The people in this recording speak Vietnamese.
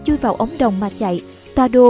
chui vào ống đồng mà chạy toa đô